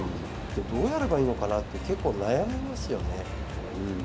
どうやればいいのかなって、結構悩みますよね。